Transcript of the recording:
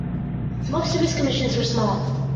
Most of his commissions were small.